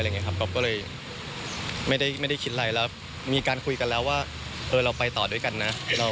ก๊อฟก็เลยไม่ได้คิดอะไรแล้วมีการคุยกันแล้วว่าเราไปต่อด้วยกันนะ